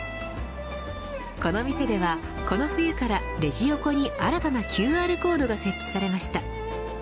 この店ではこの冬から、レジ横に新たなＱＲコードが設置されました。